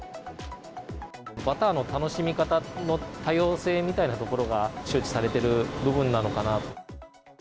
バターの楽しみ方の多様性みたいなところが周知されてる部分なのかなと。